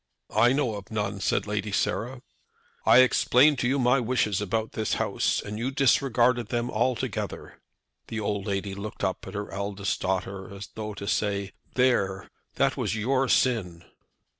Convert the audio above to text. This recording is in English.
"I know of none," said Lady Sarah. "I explained to you my wishes about this house, and you disregarded them altogether." The old lady looked up at her eldest daughter as though to say, "There, that was your sin."